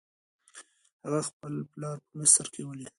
هغه خپل پلار په مصر کې ولید.